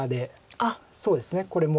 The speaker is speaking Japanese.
そうですねこれも。